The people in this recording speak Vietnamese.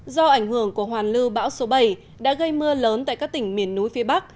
do ảnh hưởng của hoàn lưu bão số bảy đã gây mưa lớn tại các tỉnh miền núi phía bắc